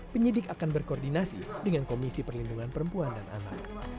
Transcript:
penyidik akan berkoordinasi dengan komisi perlindungan perempuan dan anak